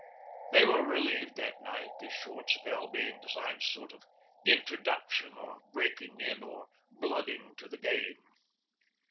They were relieved that night, this short spell being designed as a sort of introduction or breaking in or blooding to the game.